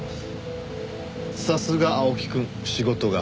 さすが青木くん仕事が早い。